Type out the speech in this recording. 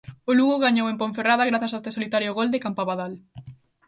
O Lugo gañou en Ponferrada grazas a este solitario gol de Campabadal.